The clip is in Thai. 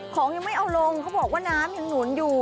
ของยังไม่เอาลงเขาบอกว่าน้ำยังหนุนอยู่